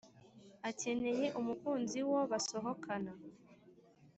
akeneye umukunzi wo basohokana